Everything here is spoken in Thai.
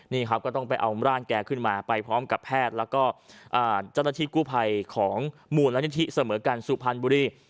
นี่ครับก็ต้องไปเอาร่างแกขึ้นมาไปพร้อมกับแพทย์แล้วก็เจ้าหน้าที่กู้ภัยของมูลนิธิเสมอกันสุพรรณบุรี